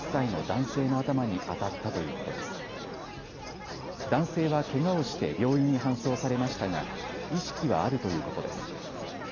男性はけがをして病院に搬送されましたが意識はあるということです。